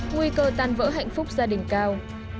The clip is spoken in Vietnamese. nguy cơ tan vỡ hạnh phúc gia đình cao